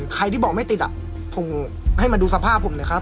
ใครที่บอกไม่ติดอ่ะผมให้มาดูสภาพผมหน่อยครับ